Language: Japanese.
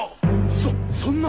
そそんな！